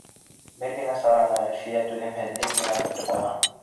Бер генә сараны Әлфиә түҙемһеҙлек менән көтөп ала.